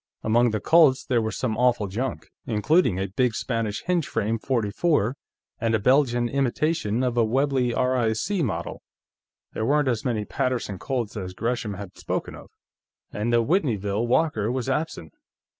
Among the Colts, there was some awful junk, including a big Spanish hinge frame .44 and a Belgian imitation of a Webley R.I.C. Model. There weren't as many Paterson Colts as Gresham had spoken of, and the Whitneyville Walker was absent.